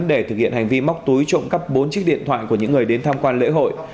để thực hiện hành vi móc túi trộm cắp bốn chiếc điện thoại của những người đến tham quan lễ hội